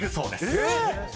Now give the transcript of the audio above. えっ⁉